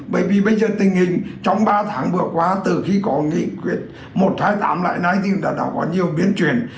bởi vì bây giờ tình hình trong ba tháng vừa qua từ khi có nghị quyết một trăm hai mươi tám lại nay thì đã có nhiều biến chuyển